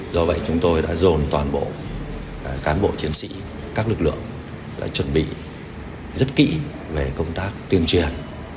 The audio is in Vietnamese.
do vậy chúng tôi đã dồn toàn bộ cán bộ chiến sĩ các lực lượng đã chuẩn bị rất kỹ về công tác tuyên truyền